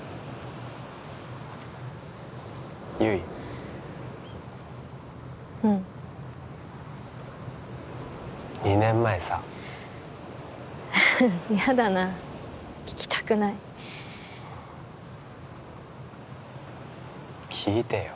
悠依うん２年前さやだな聞きたくない聞いてよ